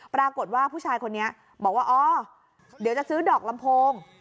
ปรากฏว่าผู้ชายคนนี้บอกว่าอ๋อเดี๋ยวจะซื้อดอกลำโพง